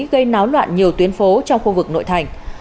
gây náo loạn nhiều tuyến phố trong khu vực nội thành